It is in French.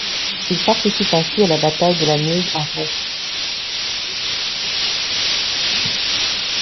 Il participe ainsi à la bataille de la Meuse en mai.